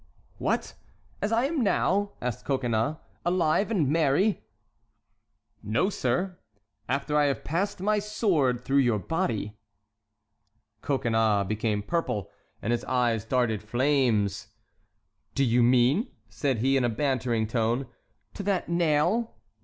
"What, as I am now?" asked Coconnas, "alive and merry?" "No, sir; after I have passed my sword through your body!" Coconnas became purple, and his eyes darted flames. "Do you mean," said he in a bantering tone, "to that nail?"